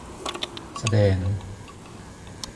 แสดง